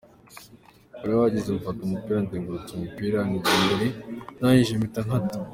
bari bahagaze, mfata umupira ngenzura umupira njya imbere ndangije mpita nkata